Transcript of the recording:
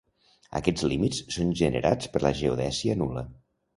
Aquests límits són generats per la geodèsia nul·la.